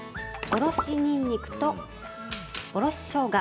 ◆おろしにんにくとおろししょうが。